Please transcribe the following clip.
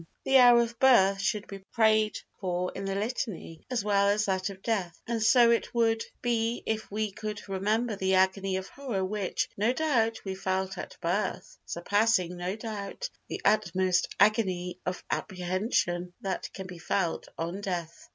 The hour of birth should be prayed for in the litany as well as that of death, and so it would be if we could remember the agony of horror which, no doubt, we felt at birth—surpassing, no doubt, the utmost agony of apprehension that can be felt on death.